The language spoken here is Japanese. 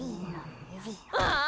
ああ！